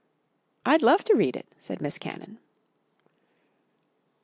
"I'd love to read it!" said Miss Cannon.